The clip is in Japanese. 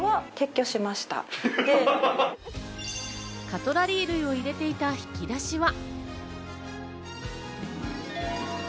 カトラリー類を入れていた引き出しは。